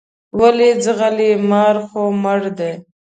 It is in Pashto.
ولې ځغلې مار خو مړ دی.